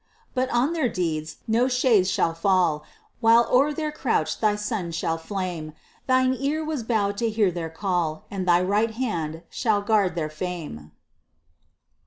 But on their deeds no shade shall fall, While o'er their couch thy sun shall flame. Thine ear was bowed to hear their call, And thy right hand shall guard their fame.